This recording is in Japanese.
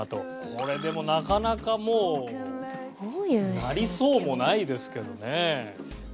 これでもなかなかもう鳴りそうもないですけどね。